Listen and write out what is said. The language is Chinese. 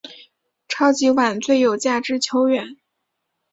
超级碗最有价值球员。